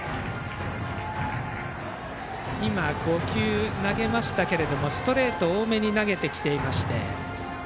今、５球投げましたがストレート多めに投げてきていまして。